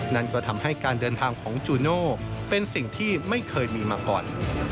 นั่นก็ทำให้การเดินทางของจูโน่เป็นสิ่งที่ไม่เคยมีมาก่อน